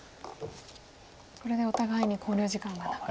これでお互いに考慮時間がなくなりました。